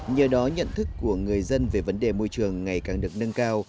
nhờ đó nhận thức của người dân về vấn đề môi trường ngày càng được nâng cao